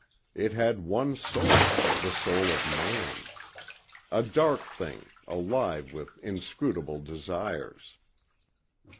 It had one soul the soul of man. A dark thing, alive with inscrutable desires.